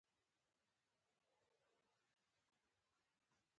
موږ د انسانانو او فیلانو ترمنځ